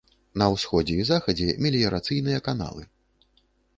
На ўсходзе і захадзе меліярацыйныя каналы.